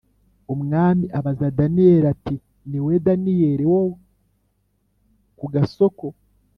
Umwami abaza Daniyeli ati Ni wowe Daniyeli wo kugasoko